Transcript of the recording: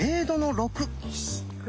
６！